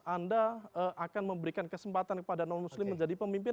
anda akan memberikan kesempatan kepada non muslim menjadi pemimpin